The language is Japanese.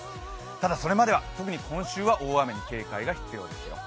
ただそれまでは特に今週は大雨に警戒が必要ですよ。